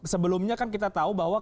sebelumnya kan kita tahu bahwa